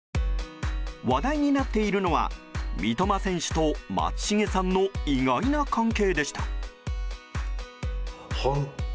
話題になっているのは三笘選手と松重さんの意外な関係でした。